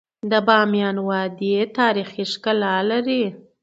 د بامیان وادی تاریخي ښکلا لري.